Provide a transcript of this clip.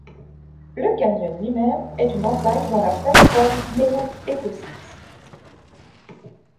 Le canyon lui-même est une entaille dans la plate-forme néo-écossaise.